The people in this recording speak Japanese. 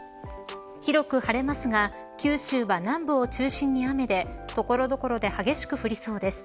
広く晴れますが九州は南部を中心に雨で所々で激しく降りそうです。